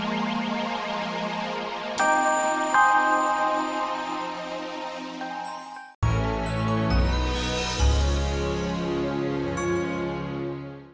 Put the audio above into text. terima kasih ragu ragu versa love and yuri